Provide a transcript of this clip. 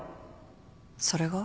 それが？